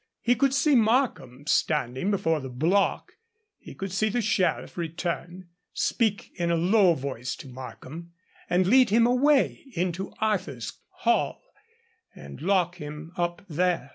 He could see Markham standing before the block, he could see the Sheriff return, speak in a low voice to Markham, and lead him away into Arthur's Hall and lock him up there.